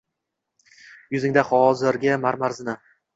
Yuzingda hozirgi marmar zina